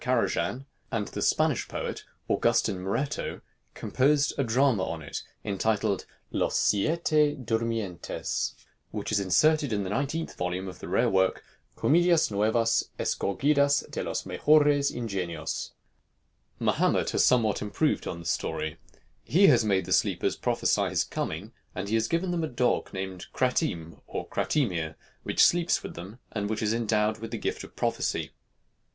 Karajan; and the Spanish poet, Augustin Morreto, composed a drama on it, entitled "Los Siete Durmientes," which is inserted in the 19th volume of the rare work, "Comedias Nuevas Escogidas de los Mejores Ingenios." Mahomet has somewhat improved on the story. He has made the Sleepers prophesy his coming, and he has given them a dog named Kratim, or Kratimir, which sleeps with them, and which is endowed with the gift of prophecy.